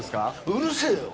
うるせえよ